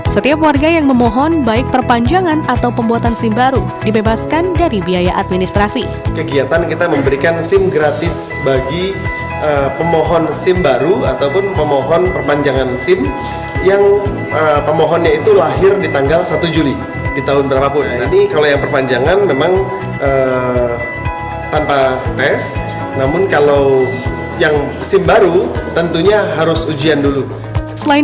setiap warga yang memohon baik perpanjangan atau pembuatan sim baru dibebaskan dari biaya administrasi